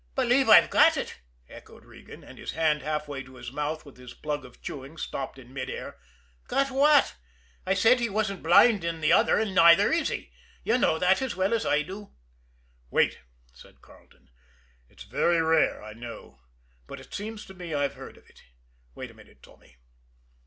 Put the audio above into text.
"Believe I've got it!" echoed Regan, and his hand half way to his mouth with his plug of chewing stopped in mid air. "Got what? I said he wasn't blind in the other, and neither he is you know that as well as I do." "Wait!" said Carleton. "It's very rare, I know, but it seems to me I've heard of it. Wait a minute, Tommy."